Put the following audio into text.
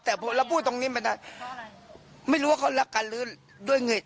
แต่พูดตรงนี้มันไม่รู้ว่าเขารักกันหรือด้วยเงิน